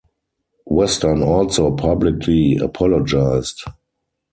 Western also publicly apologized.